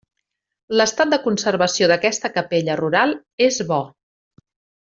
L'estat de conservació d'aquesta capella rural és bo.